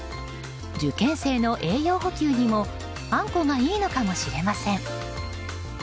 受験生の栄養補給にもあんこがいいのかもしれません。